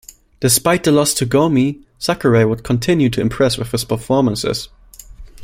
Despite the loss to Gomi, Sakurai would continue to impress with his performances.